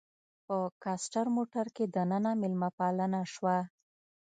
په کاسټر موټر کې دننه میلمه پالنه شوه.